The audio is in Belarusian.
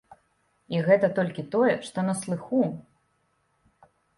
І гэта толькі тое, што на слыху.